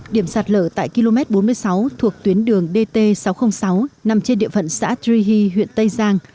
điểm sạt lở tại km bốn mươi sáu thuộc tuyến đường dt sáu trăm linh sáu nằm trên địa phận xã trihi huyện tây giang